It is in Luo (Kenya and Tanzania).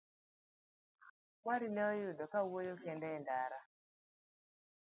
Mwari ne oyudo ka owuoyo kende e ndara.